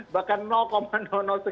bahkan sekian gram dia udah bisa beli